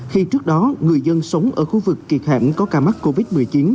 khi trước đó người dân sống ở khu vực kịp hẹn có ca mắc covid một mươi chín